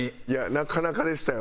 なかなかでしたよ。